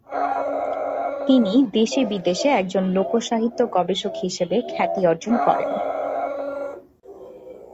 তিনি দেশে-বিদেশে একজন লোকসাহিত্য-গবেষক হিসেবে খ্যাতি অর্জন করেন।